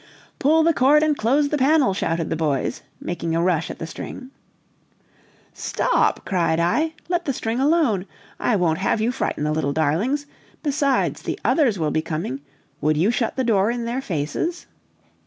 "Pull the cord and close the panel!" shouted the boys, making a rush at the string. "Stop!" cried I, "let the string alone! I won't have you frighten the little darlings. Besides, the others will be coming would you shut the door in their faces?"